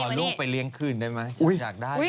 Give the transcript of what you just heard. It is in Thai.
ขอลูกไปเรียงขึ้นได้ไหม